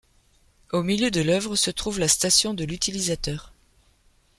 Au milieu de l’œuvre se trouve la station de l’utilisateur.